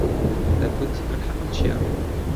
دەمگوت: من حەقم چییە؟